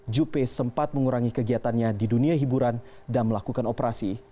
juppe sempat mengurangi kegiatannya di dunia hiburan dan melakukan operasi